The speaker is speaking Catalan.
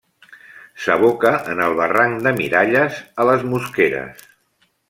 S'aboca en el barranc de Miralles, a les Mosqueres.